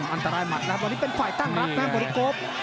อันตรายหมัดนะครับอันนี้เป็นไขว่ตั้งรับนะบอริกบ